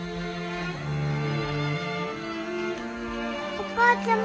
お母ちゃま。